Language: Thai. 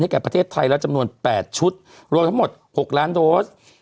แก่ประเทศไทยแล้วจำนวน๘ชุดรวมทั้งหมด๖ล้านโดส